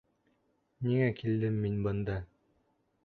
Ниңә килдем мин бында?